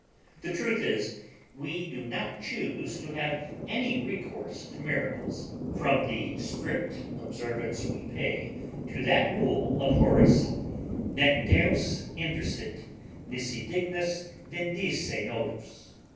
The truth is, we do not chuse to have any recourse to miracles, from the strict observance we pay to that rule of Horace, Nec Deus intersit, nisi dignus vindice nodus.